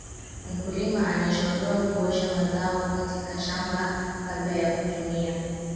mkulima anashauriwa kuosha mazao kutoka shambani kabla ya kutumia